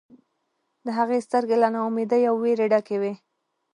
د هغې سترګې له نا امیدۍ او ویرې ډکې وې